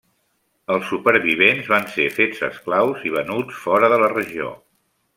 Els supervivents van ser fets esclaus i venuts fora de la regió.